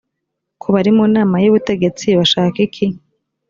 ku bari mu nama y ubutegetsi bashaka iki